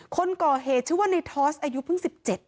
คนก่อเหตุชื่อว่าในทอสอายุเพิ่ง๑๗